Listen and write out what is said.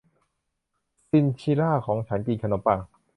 ชินชิล่าของฉันกินขนมปัง